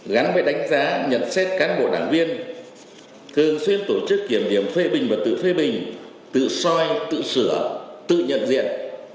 gắn với đánh giá nhận xét cán bộ đảng viên thường xuyên tổ chức kiểm điểm phê bình và tự phê bình tự soi tự sửa tự nhận diện